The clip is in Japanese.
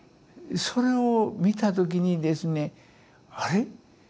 それを見た時にですねあれ？